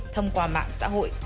thông qua mạng xã hội